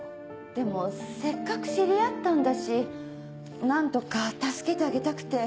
でもせっかく知り合ったんだし何とか助けてあげたくて。